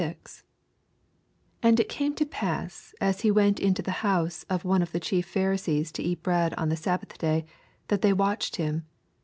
1 And it came to pass, as he went mto the house of one of the chief Pharisees to eat bread on the Sabbath day, that they watched him.